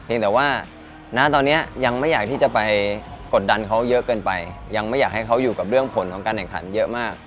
แต่ว่าณตอนนี้ยังไม่อยากที่จะไปกดดันเขาเยอะเกินไปยังไม่อยากให้เขาอยู่กับเรื่องผลของการแข่งขันเยอะมาก